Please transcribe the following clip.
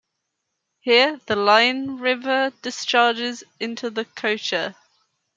Here the Lein river discharges into the Kocher.